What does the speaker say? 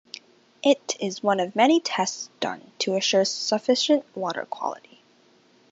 It is one of many tests done to assure sufficient water quality.